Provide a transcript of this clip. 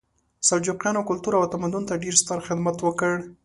سلجوقیانو کلتور او تمدن ته ډېر ستر خدمت وکړ.